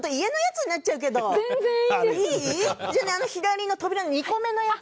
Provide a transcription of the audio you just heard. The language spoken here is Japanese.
じゃあねあの左の扉の２個目のやつね。